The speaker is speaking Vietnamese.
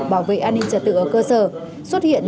bảo vệ an ninh trật tự ở cơ sở xuất hiện